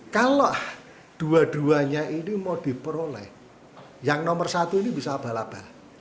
kalau dua duanya ini mau diperoleh yang nomor satu ini bisa abal abal